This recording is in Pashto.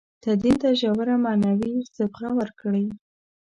تدین ته ژوره معنوي صبغه ورکړي.